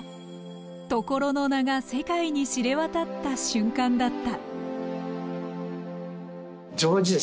常呂の名が世界に知れ渡った瞬間だった。